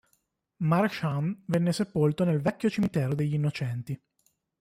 Marchand venne sepolto nel vecchio Cimitero degli Innocenti.